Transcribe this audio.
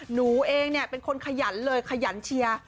หนูเองเนี่ยเป็นคนขยันเลยขยันเชียร์